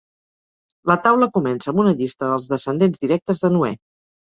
La Taula comença amb una llista dels descendents directes de Noè.